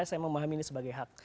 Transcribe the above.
saya memahami ini sebagai hak